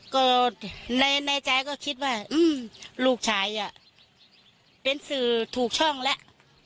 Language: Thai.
ก็ในใจก็คิดว่าลูกชายเป็นสื่อถูกช่องแล้ว